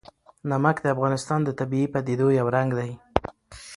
نمک د افغانستان د طبیعي پدیدو یو رنګ دی.